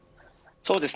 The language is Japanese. そうですね。